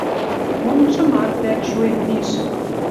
Онгжымат вӓк шуэн виш.